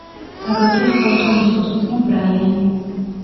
აგრეთვე ჰყავდა უმცროსი ძმა ბრაიანი.